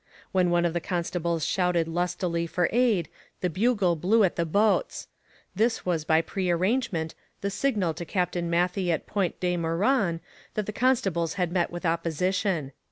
When one of the constables shouted lustily for aid, the bugle blew at the boats. This was by prearrangement the signal to Captain Matthey at Point De Meuron that the constables had met with opposition.